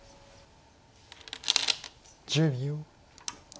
１０秒。